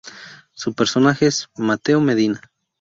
Su personaje es Mateo Medina.